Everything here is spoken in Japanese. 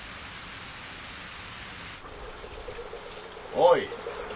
おい。